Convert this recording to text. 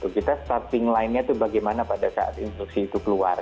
kita starting line nya itu bagaimana pada saat instruksi itu keluar